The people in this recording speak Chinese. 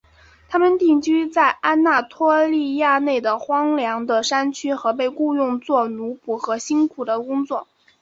他们定居在安纳托利亚内的荒凉的山区和被雇用作奴仆和辛苦的工作。